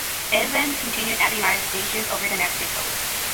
Eban continued at the United Nations over the next decade.